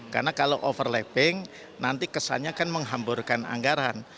karena kalau overlapping nanti kesannya kan menghamburkan anggaran